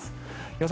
予想